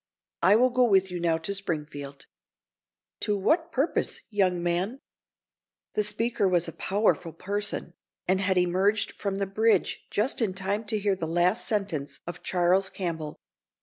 I will go with you now to Springfield." "To what purpose, young man?" The speaker was a powerful person, and had emerged from the bridge just in time to hear the last sentence of Charles Campbell.